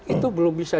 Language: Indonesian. itu belum bisa